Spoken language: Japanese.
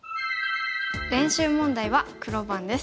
練習問題は黒番です。